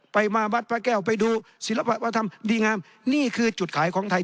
ไปมาวัดพระแก้วไปดูศิลปะวัฒนธรรมดีงามนี่คือจุดขายของไทย